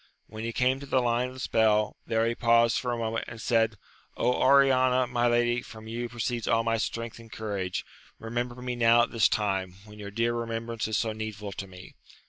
When he came to the Une of the spell, there he paused for a moment, and said, Oriana, my lady, from you proceeds all my strength and courage ! remember me now at this time, when your dear remembrance is so needful to me